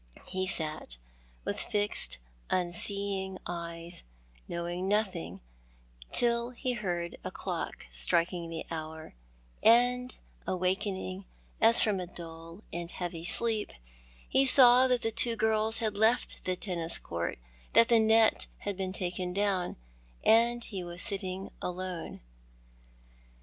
He sat with fixed unseeing eyes, knowing nothing, till he heard a clock striking the hour, and awakening as from a dull and heavy sleep, he saw that the two girls had left the tennis court, that the net had been taken down, and he was sitting alone.